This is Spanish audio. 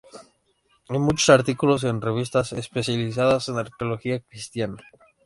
Y muchos artículos en revistas especializadas en arqueología cristiana.